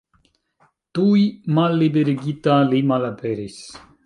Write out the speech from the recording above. Tuj malliberigita, li malaperis.